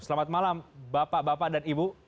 selamat malam bapak bapak dan ibu